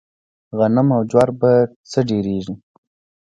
غنم او جوار په څۀ ډېريږي؟